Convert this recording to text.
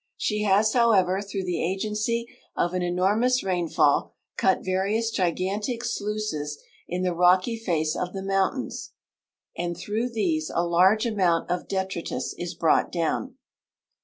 She has, however, through the agency of an enormous rainfall, cut various gigantic sluices in the rocky face of the mountains, and through these a large amount of detritus is brought down.